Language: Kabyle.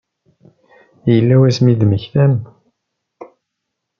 Yella wasmi i d-temmektam?